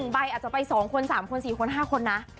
ใบอาจจะไป๒คน๓คน๔คน๕คนนะ